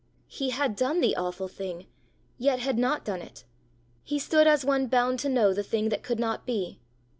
He had done the awful thing, yet had not done it! He stood as one bound to know the thing that could not be.